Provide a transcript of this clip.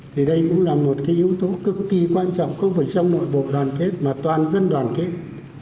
thì đây cũng là một cái yếu tố cực kỳ quan trọng không phải trong nội bộ đoàn kết mà toàn dân đoàn kết